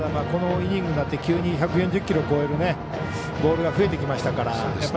このイニングになって急に１４０キロを超えるボールが増えてきましたから。